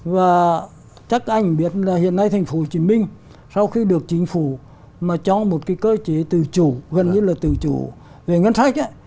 và chắc anh biết là hiện nay thành phố hồ chí minh sau khi được chính phủ mà cho một cái cơ chế từ chủ gần như là từ chủ về ngân sách á